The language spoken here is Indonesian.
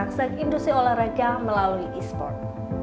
dan juga merangsang industri olahraga melalui e sport